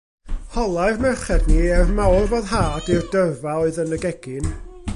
Holai'r merched ni, er mawr foddhad i'r dyrfa oedd yn y gegin.